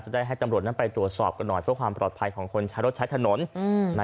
ได้ให้ตำรวจนั้นไปตรวจสอบกันหน่อยเพื่อความปลอดภัยของคนใช้รถใช้ถนน